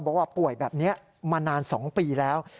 บอกว่าป่วยแบบนี้มานาน๒ปีแล้ว